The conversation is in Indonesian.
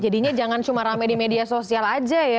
jadinya jangan cuma rame di media sosial aja ya